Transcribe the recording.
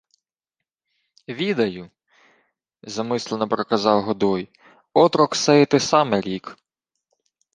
— Відаю, — замислено проказав Годой. — Отрок сей те саме рік.